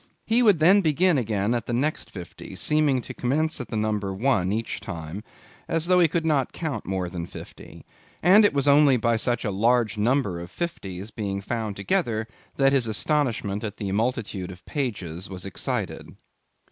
He would then begin again at the next fifty; seeming to commence at number one each time, as though he could not count more than fifty, and it was only by such a large number of fifties being found together, that his astonishment at the multitude of pages was excited.